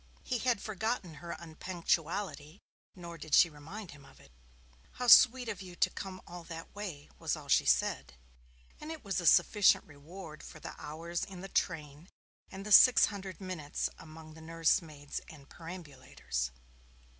He had forgotten her unpunctuality, nor did she remind him of it. 'How sweet of you to come all that way,' was all she said, and it was a sufficient reward for the hours in the train and the six hundred minutes among the nursemaids and perambulators.